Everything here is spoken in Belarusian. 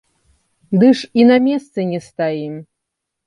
Ды ж і на месцы не стаім.